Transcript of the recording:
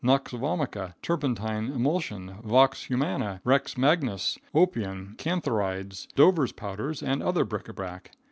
nux vomica, turpentine emulsion, vox humana, rex magnus, opium, cantharides, Dover's powders, and other bric a brac.